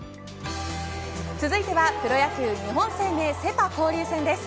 続いては、プロ野球日本生命セ・パ交流戦です。